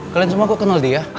kalian semua kok kenal dia